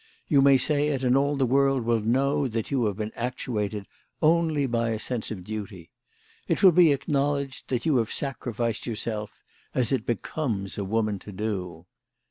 You may say it, and all the world will know that you have been actuated only by a sense of duty. It will be acknowledged that you have sacrificed your self, as it becomes a woman to do.